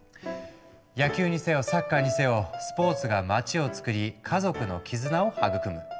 野球にせよサッカーにせよスポーツが街をつくり家族の絆を育む。